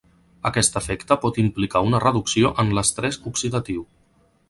Aquest efecte pot implicar una reducció en l'estrès oxidatiu.